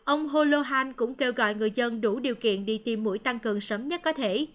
ông holohan cũng kêu gọi người dân đủ điều kiện đi tiêm mũi tăng cường sớm nhất có thể